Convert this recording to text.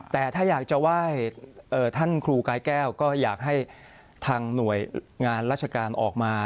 แต่ถ้าอยากจะไหว้ท่านครูกายแก้วก็อยากให้ทางหน่วยงานราชการออกมา